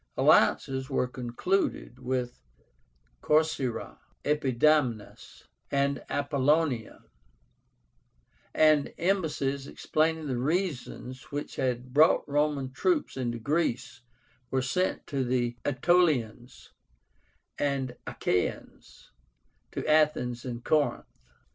Alliances were concluded with CORCÝRA, EPIDAMNUS, and APOLLONIA; and embassies explaining the reasons which had brought Roman troops into Greece were sent to the Aetolians and Achaeans, to Athens and Corinth.